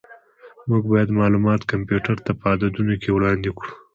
موږ باید معلومات کمپیوټر ته په عددونو کې وړاندې کړو.